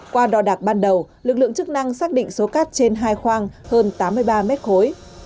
qua đo đạc ban đầu lực lượng chức năng xác định số cát trên hai khoang hơn tám mươi ba mét khối